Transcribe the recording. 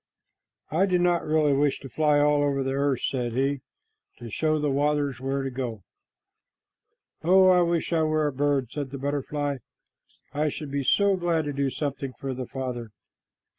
"I do not really wish to fly all over the earth," said he, "to show the waters where to go." "Oh, I wish I were a bird," said a butterfly. "I should be so glad to do something for the Father."